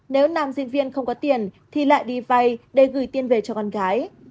nếu nàm diễn viên không có tiền thì lại đi vay để gửi tiền về cho con gái